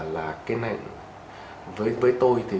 cái này với tôi